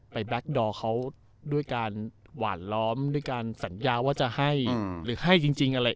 ไปด้วยการหว่านล้อมด้วยการสัญญาว่าจะให้อืมหรือให้จริงจริงอะไร